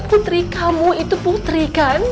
putri kamu itu putri kan